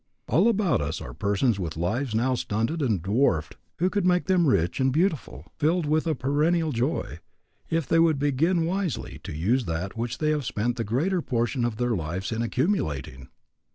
All about us are persons with lives now stunted and dwarfed who could make them rich and beautiful, filled with a perennial joy, if they would begin wisely to use that which they have spent the greater portion of their lives in accumulating.